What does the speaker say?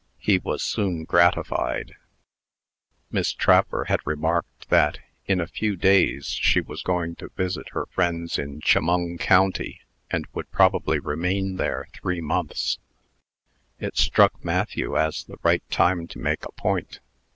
He was soon gratified. Miss Trapper had remarked, that, in a few days, she was going to visit her friends in Chemung County, and would probably remain there three months. It struck Matthew as the right time to make a point.